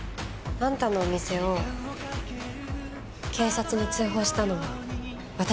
あんたのお店を警察に通報したのは私だよ。